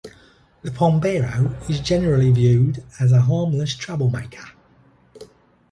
The Pombero is generally viewed as a harmless troublemaker.